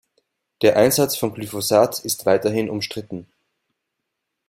Der Einsatz von Glyphosat ist weiterhin umstritten.